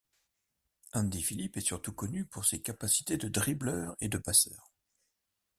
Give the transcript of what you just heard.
Andy Phillip est surtout connu pour ses capacités de dribbleur et de passeur.